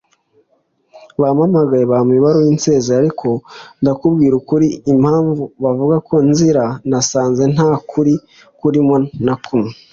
Bampamagaye bampa ibaruwa insezerera ariko ndakubwiza ukuri ko impamvu bavuga ko nzira nasanze nta kuri kurimo na kumwe”